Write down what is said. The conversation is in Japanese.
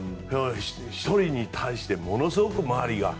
１人に対してものすごい周りが。